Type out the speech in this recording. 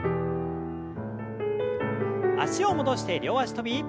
脚を戻して両脚跳び。